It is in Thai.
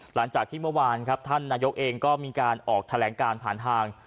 หลังจากที่เมื่อวานครับท่านนายกเองก็มีการออกแถลงการผ่านทาง